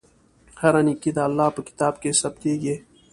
هره نېکۍ د الله په کتاب کې ثبتېږي.